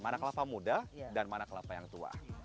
mana kelapa muda dan mana kelapa yang tua